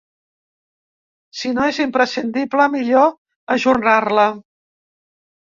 Si no és imprescindible, millor ajornar-la.